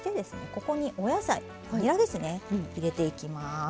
ここにお野菜にらですね入れていきます。